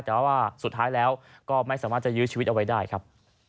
แต่ว่าสุดท้ายแล้วก็ไม่สามารถจะยื้อชีวิตเอาไว้ได้ครับ